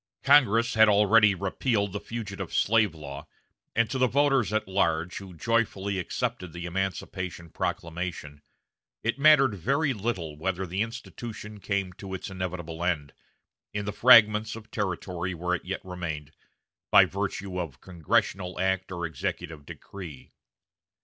Congress had already repealed the fugitive slave law, and to the voters at large, who joyfully accepted the emancipation proclamation, it mattered very little whether the "institution" came to its inevitable end, in the fragments of territory where it yet remained, by virtue of congressional act or executive decree.